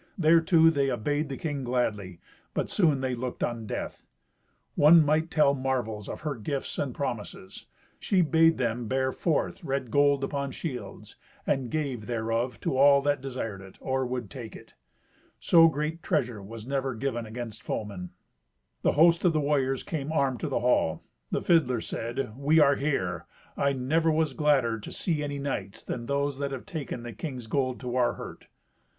Thereto, they obeyed the king gladly; but soon they looked on death. One might tell marvels of her gifts and promises. She bade them bear forth red gold upon shields, and gave thereof to all that desired it, or would take it. So great treasure was never given against foemen. The host of warriors came armed to the hall. The fiddler said, "We are here. I never was gladder to see any knights than those that have taken the king's gold to our hurt."